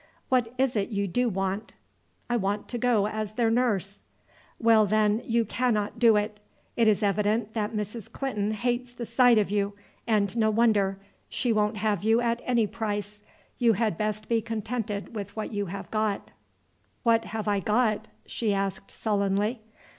What is it you do want?" "I want to go as their nurse." "Well, then, you cannot do it. It is evident that Mrs. Clinton hates the sight of you, and no wonder; and she won't have you at any price. You had best be contented with what you have got." "What have I got?" she asked sullenly.